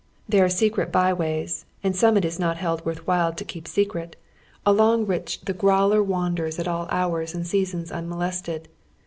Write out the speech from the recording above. There are secret by ways, and some it is not held worth while to keep secret, along which the "growler" wanders at all hours and all seasons unmolested.